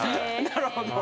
なるほど。